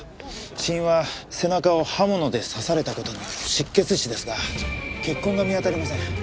死因は背中を刃物で刺された事による失血死ですが血痕が見当たりません。